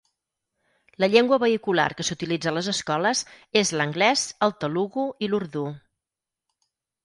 La llengua vehicular que s'utilitza a les escoles és l'anglès, el telugu i l'urdú.